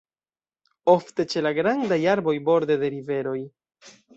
Ofte ĉe la grandaj arboj borde de riveroj.